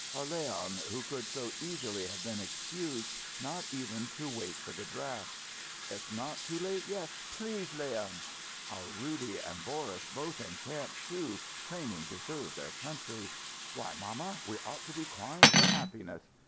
Our Leon, who could so easily have been excused, not even to wait for the draft." "It's not too late yet please, Leon " "Our Roody and Boris both in camp, too, training to serve their country. Why, mamma, we ought to be crying for happiness!